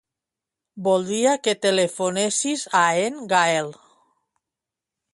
Voldria que telefonessis a en Gaël.